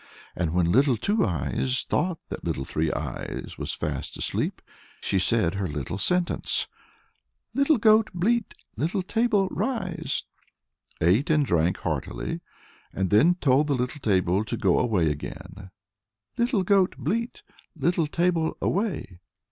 And when Little Two Eyes thought that Little Three Eyes was fast asleep, she said her little sentence, "Little goat, bleat; little table, rise," ate and drank heartily, and then told the little table to go away again, "Little goat, bleat; little table away."